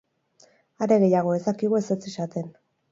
Are gehiago, ez dakigu ezetz esaten.